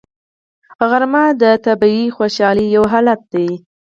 غرمه د طبیعي خوشحالۍ یو حالت دی